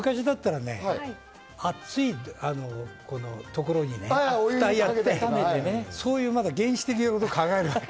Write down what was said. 昔だったら熱いところで蓋をあっためて、そういう原始的なこと考えたの。